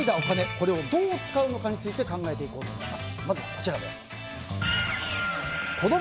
これをどう使うかについて考えていこうと思います。